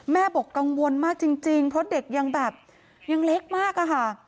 บอกกังวลมากจริงเพราะเด็กยังแบบยังเล็กมากอะค่ะ